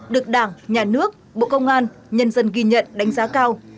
được đảng nhà nước bộ công an nhân dân ghi nhận đánh giá cao